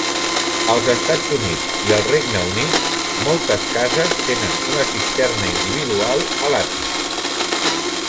Als Estats Units i al Regne Unit, moltes cases tenen una cisterna individual a l'àtic.